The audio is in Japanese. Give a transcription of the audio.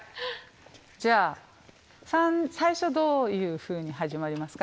じゃあ最初どういうふうに始まりますか？